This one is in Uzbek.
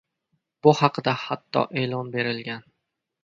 Bu haqida hatto e'lon berilgan.